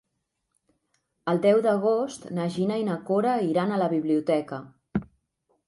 El deu d'agost na Gina i na Cora iran a la biblioteca.